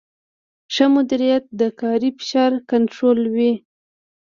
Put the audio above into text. ښه مدیریت د کاري فشار کنټرولوي.